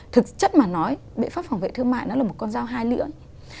thực chất mà nói biện pháp phòng vệ thương mại nó là một con dao hai lưỡi